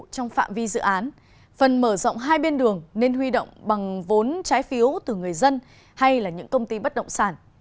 trong phạm vi dự án phần mở rộng hai bên đường nên huy động bằng vốn trái phiếu từ người dân hay là những công ty bất động sản